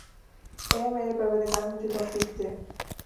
اے میرے پروردگا مجھے توفیق دے